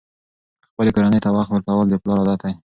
خپلې کورنۍ ته وخت ورکول د پلار عادت دی.